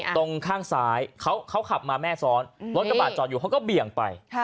ตรงข้างซ้ายเขาขับมาแม่ซ้อนรถกระบาดจอดอยู่เขาก็เบี่ยงไป